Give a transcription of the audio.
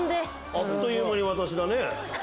あっという間に私だね。